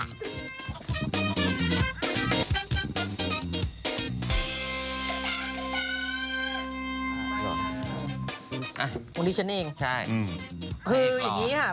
วันนี้ฉันเองใช่